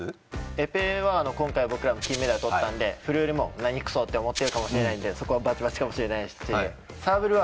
エペは今回僕らも金メダルとったんでフルーレもなにくそって思ってるかもしれないんでそこはバチバチかもしれないですしサーブルは